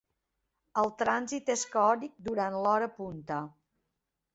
El trànsit és caòtic durant l'hora punta.